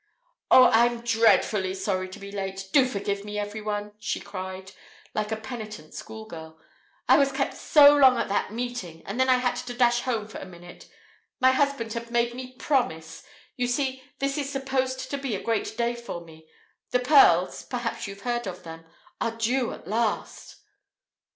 "Oh, I'm dreadfully sorry to be late! Do forgive me, everyone!" she cried, like a penitent schoolgirl. "I was kept so long at that meeting, and then I had to dash home for a minute. My husband had made me promise. You see, this is supposed to be a great day for me. The pearls perhaps you've heard of them? are due at last!"